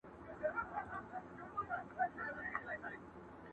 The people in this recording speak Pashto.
راسه له ساحله د نهنګ خبري نه کوو،